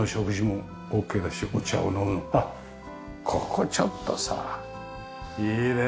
ここちょっとさいいね。